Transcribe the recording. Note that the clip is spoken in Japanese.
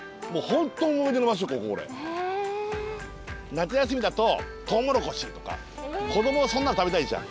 夏休みだとトウモロコシとか子どもはそんなの食べたいじゃん。